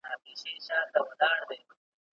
¬ اور د خپلي لمني بلېږي.